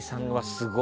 すごい。